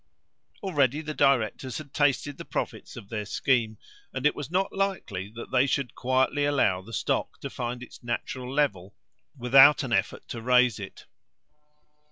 Already the directors had tasted the profits of their scheme, and it was not likely that they should quietly allow the stock to find its natural level without an effort to raise it.